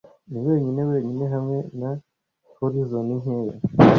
ni wenyine wenyine hamwe na horizon nkeya